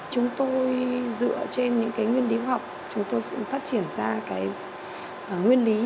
chúng tôi dựa trên những cái nguyên lý học chúng tôi cũng phát triển ra cái nguyên lý